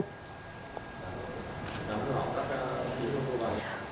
đã hư hỏng các chiếc xe ô tô